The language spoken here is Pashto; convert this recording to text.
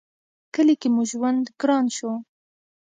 کلي کې مو ژوند گران شو